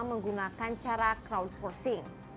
menggunakan cara crowdsourcing